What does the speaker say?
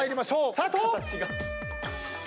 スタート！